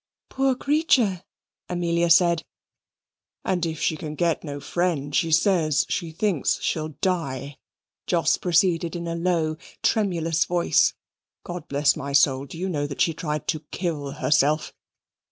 "Poor creature!" Amelia said. "And if she can get no friend, she says she thinks she'll die," Jos proceeded in a low tremulous voice. "God bless my soul! do you know that she tried to kill herself?